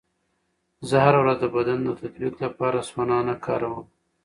زه هره ورځ د بدن د تطبیق لپاره سونا نه کاروم.